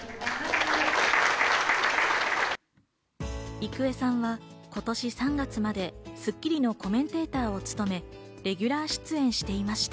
郁恵さんは今年３月まで『スッキリ』のコメンテーターを務め、レギュラー出演していました。